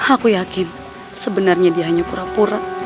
aku yakin sebenarnya dia hanya pura pura